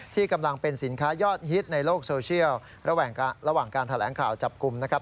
ที่กำลังเป็นสินค้ายอดฮิตในโลกโซเชียลระหว่างการแถลงข่าวจับกลุ่มนะครับ